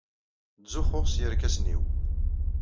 Ttzuxxuɣ s yerkasen-inu.